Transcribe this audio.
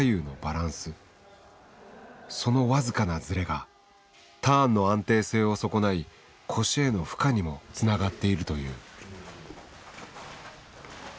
その僅かなズレがターンの安定性を損ない腰への負荷にもつながっているという。